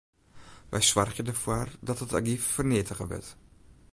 Wy soargje derfoar dat it argyf ferneatige wurdt.